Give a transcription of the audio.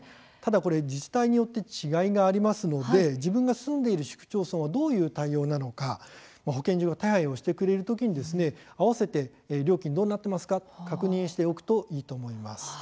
ただ自治体によって違いがありますので自分の住んでいる市区町村はどういう対応なのか保健所が手配をしてくれるときに併せて料金どうなっていますかと確認しておくとよいと思います。